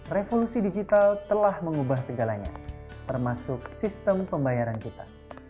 revolusi digital telah mengubah segalanya termasuk sistem pembayaran kita